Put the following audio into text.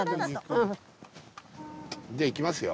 じゃあ行きますよ。